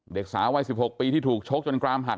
เด็กสาววัย๑๖ปีที่ถูกชกจนกรามหัก